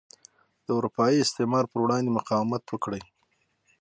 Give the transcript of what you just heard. د اروپايي استعمار پر وړاندې مقاومت وکړي.